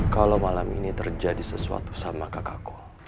kalau malam ini terjadi sesuatu sama kakakku